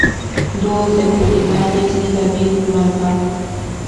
Dúo de Peribáñez y David “¡Malvado!